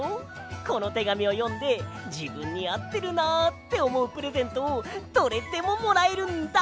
このてがみをよんでじぶんにあってるなあっておもうプレゼントをどれでももらえるんだ！